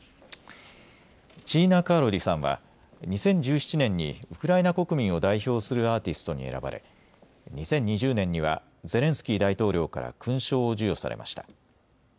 チーナ・カーロリさんは２０１７年にウクライナ国民を代表するアーティストに選ばれ２０２０年にはゼレンスキー大統領から勲章を授与されました。